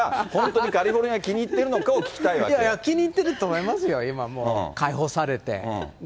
その住めば都はるみを言いたかったのか、本当にカリフォルニアが気に入ってるのかを聞きたいわけいやいや、気に入ってると思いますよ、今もう解放されて。